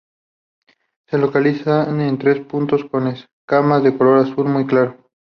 Se localizan tres puntos con escamas de color azul muy claro.